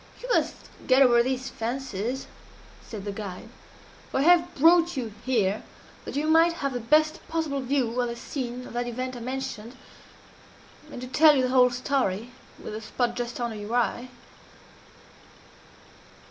"You must get over these fancies," said the guide, "for I have brought you here that you might have the best possible view of the scene of that event I mentioned and to tell you the whole story with the spot just under your eye.